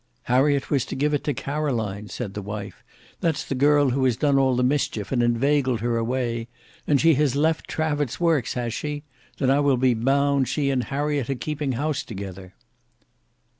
"Harriet was to give it to Caroline," said the wife. "That's the girl who has done all the mischief and inveigled her away. And she has left Trafford's works, has she? Then I will be bound she and Harriet are keeping house together."